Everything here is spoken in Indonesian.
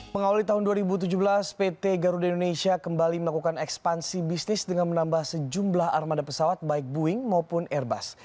mengawali tahun dua ribu tujuh belas pt garuda indonesia kembali melakukan ekspansi bisnis dengan menambah sejumlah armada pesawat baik boeing maupun airbus